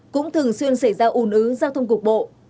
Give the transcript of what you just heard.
cũng thường xuyên xảy ra ủn ứ giao thông cục bộ